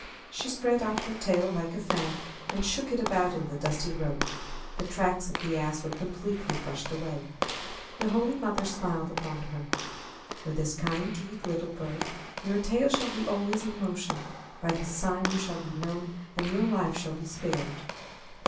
She spread out her tail like a fan and shook it about in the dusty road. The tracks of the ass were completely brushed away. The Holy Mother smiled upon her. "For this kind deed, little bird, your tail shall be always in motion. By this sign you shall be known and your life shall be spared."